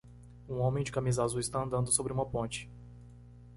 Um homem de camisa azul está andando sobre uma ponte.